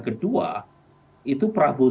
kedua itu prabowo